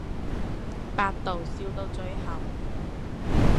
百度笑到最後